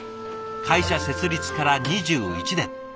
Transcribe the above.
会社設立から２１年。